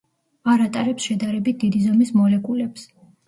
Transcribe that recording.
არ ატარებს შედარებით დიდი ზომის მოლეკულებს.